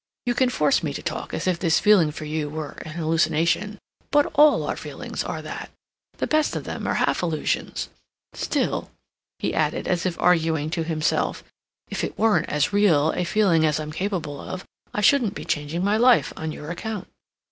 You can force me to talk as if this feeling for you were an hallucination, but all our feelings are that. The best of them are half illusions. Still," he added, as if arguing to himself, "if it weren't as real a feeling as I'm capable of, I shouldn't be changing my life on your account."